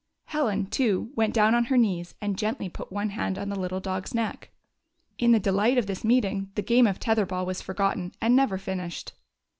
Helen, too, went down on her knees, and gently put one hand on the little dog's neck. In 47 GYPSY, THE TALKING DOG tlie delight of this meeting the game of tether ball was forgotten and never finished.